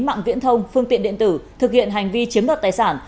mạng viễn thông phương tiện điện tử thực hiện hành vi chiếm đoạt tài sản